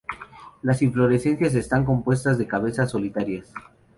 Las inflorescencias están compuestas de cabezas solitarias.